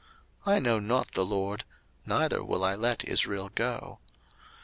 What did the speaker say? I know not the LORD, neither will I let Israel go.